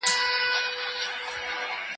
که پلار دي جت وو، ته جتگی يې.